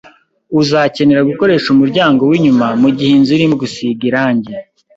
Uzakenera gukoresha umuryango winyuma mugihe inzu irimo gusiga irangi.